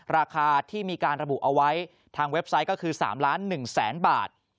ราคาที่มีการระบุเอาไว้ทางเว็บไซต์ก็คือ๓ล้าน๑แสนบาท